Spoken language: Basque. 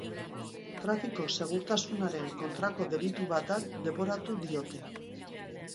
Trafiko segurtasunaren kontrako delitu bat leporatu diote.